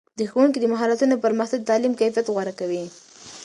د ښوونکو د مهارتونو پرمختګ د تعلیم کیفیت غوره کوي.